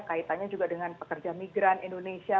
kaitannya juga dengan pekerja migran indonesia